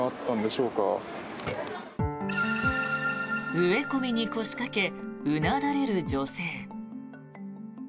植え込みに腰かけうなだれる女性。